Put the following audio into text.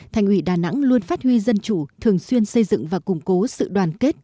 thành ủy đà nẵng luôn phát huy dân chủ thường xuyên xây dựng và củng cố sự đoàn kết